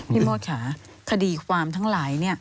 พี่โมชาคดีความทั้งหลาย